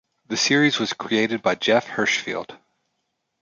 The series was created by Jeff Hirschfield.